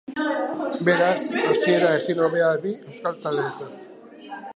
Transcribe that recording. Beraz, hasiera ezin hobea bi euskal taldeentzat.